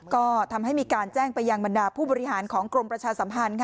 ก็ทำให้มีการแจ้งไปยังบรรดาผู้บริหารของกรมประชาสัมพันธ์